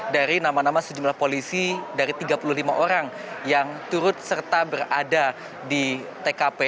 dari nama nama sejumlah polisi dari tiga puluh lima orang yang turut serta berada di tkp